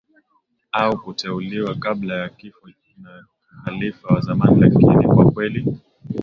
au kuteuliwa kabla ya kifo na khalifa wa zamani Lakini kwa kweli